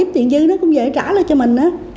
tiền dư nó cũng dễ trả lại cho mình đó